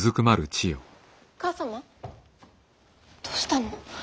どうしたの？